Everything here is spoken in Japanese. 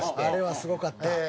あれはすごかった。